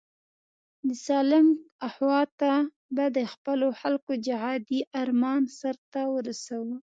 د سالنګ اخواته به د خپلو خلکو جهادي آرمان سرته ورسوو.